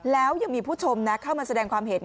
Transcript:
แล้วยังมีผู้ชมนะเข้ามาแสดงความเห็น